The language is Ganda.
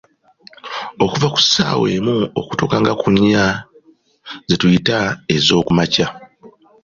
"Okuva ku ssaawa emu okutuuka nga ku nnya, ze tuyita ezookumankya."